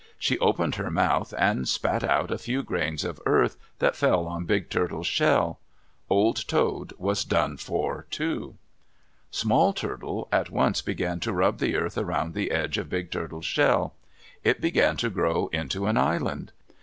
She opened her mouth and spat out a few grains of earth that fell on Big Turtle's shell. Old Toad was done for, too. Small Turtle at once began to rub the earth around the edge of Big Turtle's shell. It began to grow into an island.